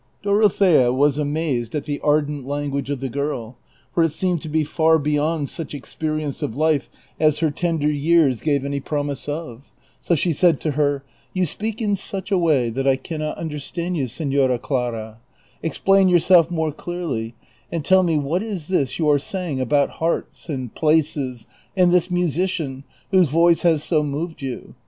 Dorothea was amazed at the ardent language of the girl, for it seemed to be far beyond such experience of life as her tender years gave any promise of, so she said to her, " You speak in such a way that I cannot understand yon, Seilora Clara ; ex plain yourself more clearly, and tell me what is this you are saying about hearts and places and this musician whose voice has so moved you